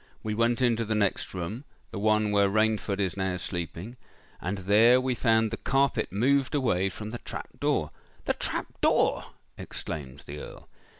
We went into the next room—the one where Rainford is now sleeping—and there we found the carpet moved away from the trap door——" "The trap door!" exclaimed the Earl.